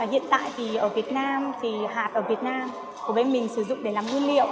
hiện tại thì ở việt nam thì hạt ở việt nam của bên mình sử dụng để làm nguyên liệu